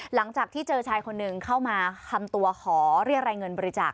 หลังจากที่เจอชายคนหนึ่งเข้ามาทำตัวขอเรียกรายเงินบริจาค